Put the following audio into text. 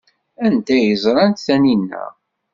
Anda ay ẓrant Taninna?